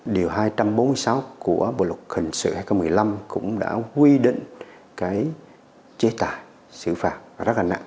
điều hai trăm bốn mươi sáu của bộ luật hình sự hai nghìn một mươi năm cũng đã quy định cái chế tài xử phạt rất là nặng